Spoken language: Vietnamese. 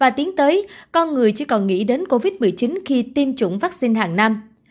và tiến tới con người chỉ còn nghĩ đến covid một mươi chín khi tiêm chủng vaccine hàng năm